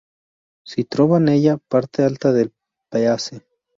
Si trova nella parte alta del paese.